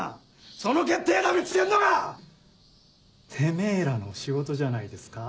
その決定打を見つけんのがてめぇらの仕事じゃないですか？